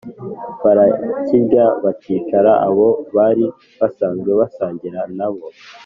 barakirya, bacira abo bari basanzwe basangira na bo,